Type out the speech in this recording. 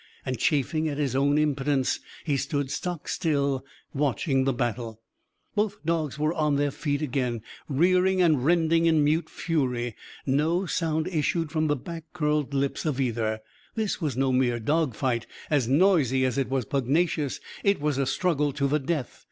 And, chafing at his own impotence, he stood stock still, watching the battle. Both dogs were on their feet again; rearing and rending in mute fury. No sound issued from the back curled lips of either. This was no mere dogfight, as noisy as it was pugnacious. It was a struggle to the death.